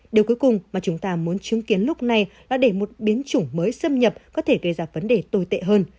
điều cuối cùng mà chúng ta muốn chứng kiến lúc này là để một biến chủng mới xâm nhập có thể gây ra vấn đề tồi tệ hơn